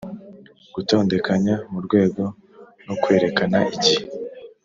gutondekanya murwego no kwerekana igihe.